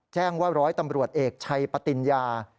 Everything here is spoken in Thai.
แจ้งว่าร้อยตำรวจเอกชัยปติญญา